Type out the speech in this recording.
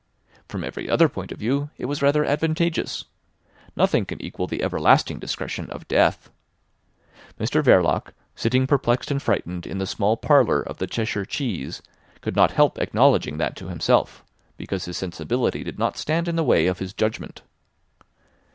From every other point of view it was rather advantageous. Nothing can equal the everlasting discretion of death. Mr Verloc, sitting perplexed and frightened in the small parlour of the Cheshire Cheese, could not help acknowledging that to himself, because his sensibility did not stand in the way of his judgment.